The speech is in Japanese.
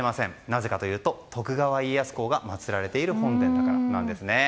なぜかというと徳川家康公が祭られている本殿だからなんですね。